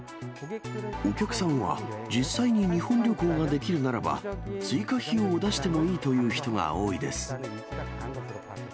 お客さんは、実際に日本旅行ができるならば、追加費用を出してもいいという人が多いです。